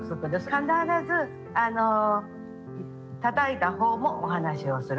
必ずたたいたほうもお話をする。